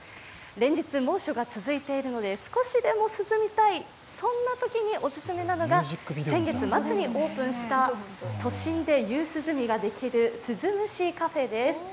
連日猛暑が続いているので、少しでも涼みたい、そんなときにオススメなのが先月末にオープンした都心で夕涼みができるＳｕｚｕｍｕｓｈｉＣａｆｅです。